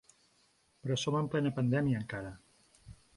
Però som en plena pandèmia, encara.